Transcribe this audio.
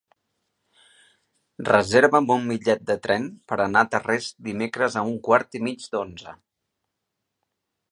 Reserva'm un bitllet de tren per anar a Tarrés dimecres a un quart i mig d'onze.